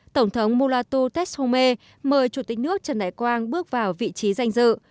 tổng thống mulatu teshome mời chủ tịch nước trần đại quang bước vào vị trí danh dự